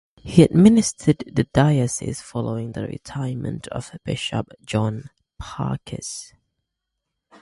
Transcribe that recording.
He administered the diocese following the retirement of Bishop John Parkes.